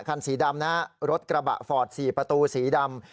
คันสีดำนะฮะรถกระบะฟอร์ด๔ประตูสีดำ